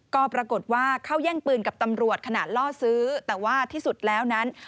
ก็ปรากฏว่าเข้าแย่งปืนกับตำรวจขณะล่อซื้อแต่ว่าที่สุดแล้วนั้น